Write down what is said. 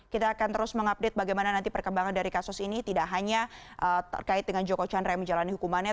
kita akan terus mengupdate bagaimana nanti perkembangan dari kasus ini tidak hanya terkait dengan joko chandra yang menjalani hukumannya